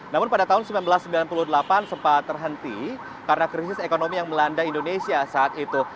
namun pada tahun seribu sembilan ratus sembilan puluh delapan sempat terhenti karena krisis ekonomi yang melanda indonesia saat itu